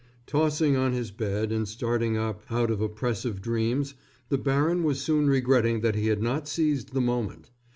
Tossing on his bed and starting up out of oppressive dreams, the baron was soon regretting that he had not seized the moment.